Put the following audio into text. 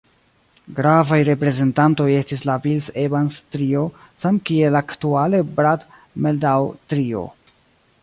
Gravaj reprezentantoj estis la Bill-Evans-Trio samkiel aktuale Brad-Mehldau-Trio.